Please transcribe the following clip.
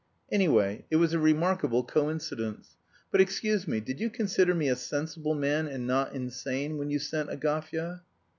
"Anyway, it was a remarkable coincidence. But, excuse me, did you consider me a sensible man and not insane when you sent Agafya?"